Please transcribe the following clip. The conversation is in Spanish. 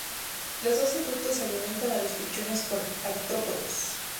Los dos adultos alimentan a los pichones con artrópodos.